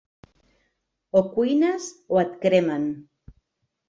O cuines o et cremen.